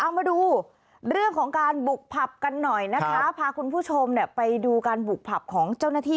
เอามาดูเรื่องของการบุกผับกันหน่อยนะคะพาคุณผู้ชมเนี่ยไปดูการบุกผับของเจ้าหน้าที่